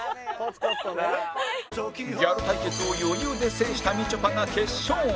ギャル対決を余裕で制したみちょぱが決勝へ